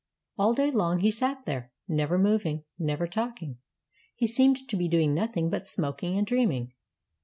All day long he sat there, never moving, never talking — he seemed to be doing nothing but smoking and dreaming.